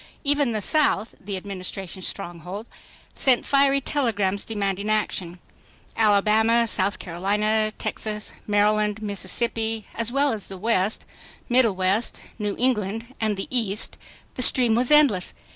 Even the South, the Administration's stronghold, sent fiery telegrams demanding action. Alabama, South Carolina, Texas, Maryland, Mississippi, as well as the West, Middle West, New England and the East—the stream was endless.